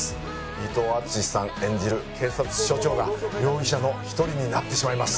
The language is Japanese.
伊藤淳史さん演じる警察署長が容疑者の一人になってしまいます。